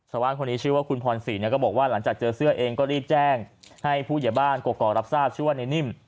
ชาวบ้านคนนี้ชื่อว่าคุณพรศรีเนี่ยก็บอกว่าหลังจากเจอเสื้อเองก็รีบแจ้งให้ผู้ใหญ่บ้านกกอกรับทราบชื่อว่าในนิ่ม